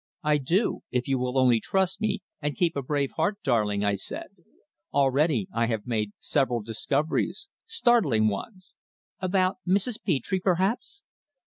"I do if you will only trust me, and keep a brave heart, darling," I said. "Already I have made several discoveries startling ones." "About Mrs. Petre, perhaps?"